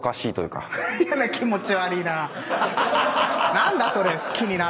何だ⁉それ！